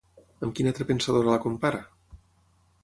Amb quina altra pensadora la compara?